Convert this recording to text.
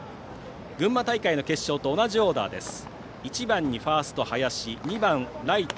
群馬大会の決勝と同じオーダーです。